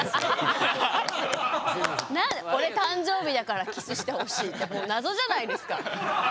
何で「俺誕生日だからキスしてほしい」ってもう謎じゃないですか。